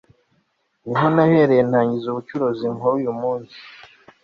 niho nahereye ntangiza ubucuruzi nkora uyu munsi